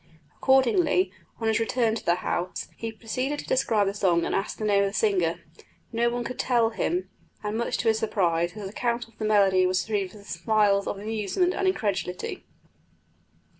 Accordingly, on his return to the house he proceeded to describe the song and ask the name of the singer. No one could tell him, and much to his surprise, his account of the melody was received with smiles of amusement and incredulity.